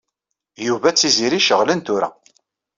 Yuba d Tiziri ceɣlen tura.